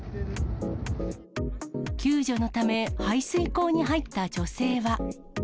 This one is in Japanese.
救助にため、排水溝に入った女性は。